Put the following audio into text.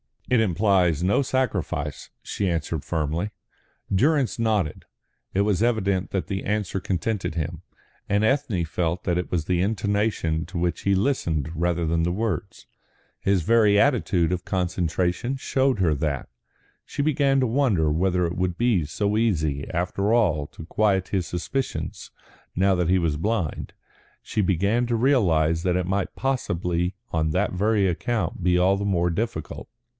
"It implies no sacrifice," she answered firmly. Durrance nodded. It was evident that the answer contented him, and Ethne felt that it was the intonation to which he listened rather than the words. His very attitude of concentration showed her that. She began to wonder whether it would be so easy after all to quiet his suspicions now that he was blind; she began to realise that it might possibly on that very account be all the more difficult.